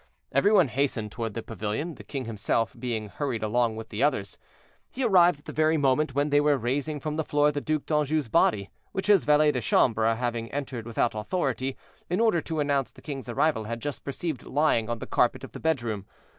Every one hastened toward the pavilion, the king himself being hurried along with the others. He arrived at the very moment when they were raising from the floor the Duc d'Anjou's body, which his valet de chambre, having entered without authority, in order to announce the king's arrival, had just perceived lying on the carpet of the bedroom.